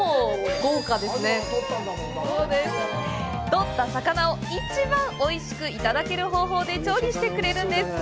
取った魚を一番おいしくいただける方法で調理してくれるんです。